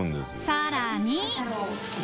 さらに？